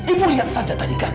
ibu lihat saja tadi kami